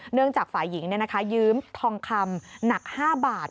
เนื่องจากฝ่ายหญิงเนี่ยนะคะยืมทองคำหนัก๕บาท